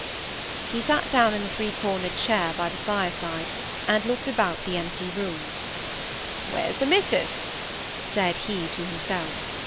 He sate down in the three cornered chair by the fire side, and looked around the empty room. "Where's the missus?" said he to himself.